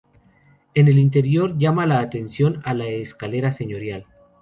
En el interior llama la atención la escalera señorial.